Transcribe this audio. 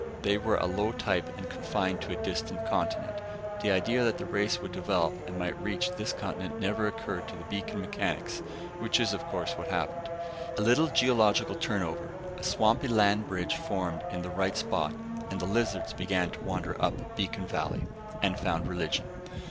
They were a low type and confined to a distant continent. The idea that the race would develop and might reach this continent never occurred to the beacon mechanics. Which is, of course, what happened. A little geological turnover, a swampy land bridge formed in the right spot, and the lizards began to wander up beacon valley. And found religion.